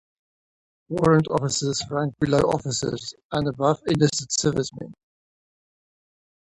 Warrant officers rank below officers and above enlisted servicemen.